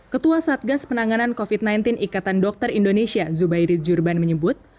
ketua satgas penanganan covid sembilan belas ikatan dokter indonesia zubairid jurban menyebut